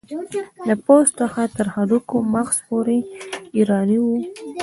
د پوست څخه تر هډوکو مغز پورې ایرانی و.